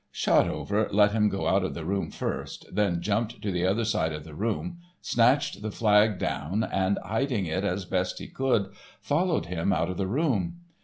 Shotover let him go out of the room first, then jumped to the other side of the room, snatched the flag down, and, hiding it as best he could, followed him out of the room.